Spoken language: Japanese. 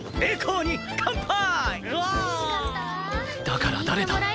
だから誰だ！？